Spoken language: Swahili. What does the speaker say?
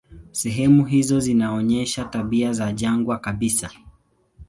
Sehemu hizo zinaonyesha tabia ya jangwa kabisa.